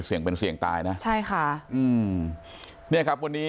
เสี่ยงเป็นเสี่ยงตายนะใช่ค่ะอืมเนี่ยครับวันนี้